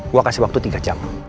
gue kasih waktu tiga jam